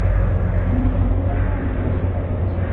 আমার সম্প্রদায় তো আমাকে অস্বীকার করছে।